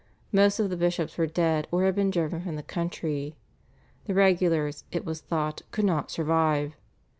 Most of the bishops were dead or had been driven from the country. The regulars, it was thought, could not survive.